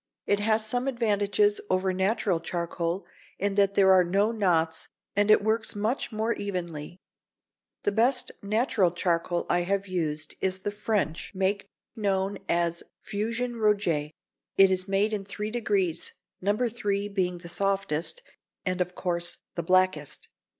It has some advantages over natural charcoal, in that there are no knots and it works much more evenly. The best natural charcoal I have used is the French make known as "Fusain Rouget." It is made in three degrees, No. 3 being the softest, and, of course, the blackest.